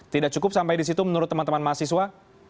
tidak cukup sampai disitu menurut teman teman mahasiswa